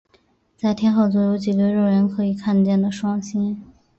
在天鹤座有几对肉眼可以看见的双星。